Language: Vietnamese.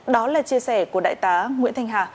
đó là chia sẻ của đại tá nguyễn thanh hà